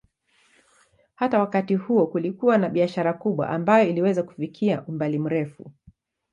Hata wakati huo kulikuwa na biashara kubwa ambayo iliweza kufikia umbali mrefu.